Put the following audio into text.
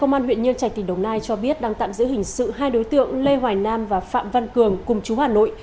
công an huyện nhân trạch tỉnh đồng nai cho biết đang tạm giữ hình sự hai đối tượng lê hoài nam và phạm văn cường cùng chú hà nội